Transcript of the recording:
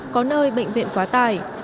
có nơi bệnh viện quá tài